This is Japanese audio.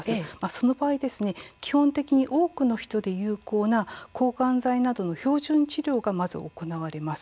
その場合、基本的に多くの人で有効な抗がん剤などの標準治療がまず行われます。